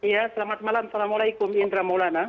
ya selamat malam assalamualaikum indra maulana